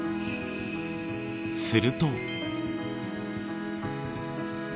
すると。